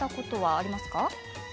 あります。